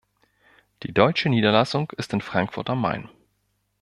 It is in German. Die deutsche Niederlassung ist in Frankfurt am Main.